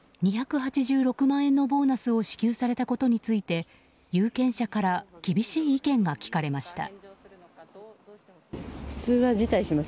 ２８６万円のボーナスを支給されたことについて有権者から厳しい意見が聞かれました。